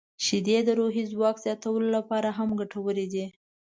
• شیدې د روحي ځواک زیاتولو لپاره هم ګټورې دي.